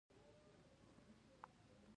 مډال د خدمت نښه ده